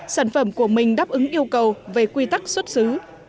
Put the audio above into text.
sản phẩm của mình đáp ứng yêu cầu về quy tắc xuất xứ